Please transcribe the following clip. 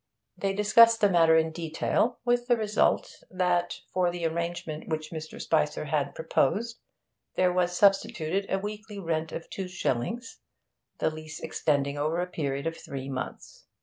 They discussed the matter in detail, with the result that for the arrangement which Mr. Spicer had proposed there was substituted a weekly rent of two shillings, the lease extending over a period of three months.